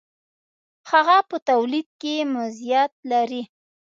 هغه په تولید کې مزیت لري.